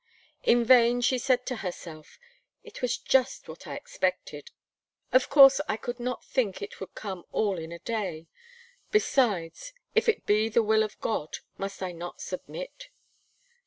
In vain she said to herself "It was just what I expected; of course, I could not think it would come all in a day. Besides, if it be the will of God, must I not submit?"